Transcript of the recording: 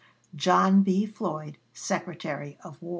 JOHN B. FLOYD, Secretary of War.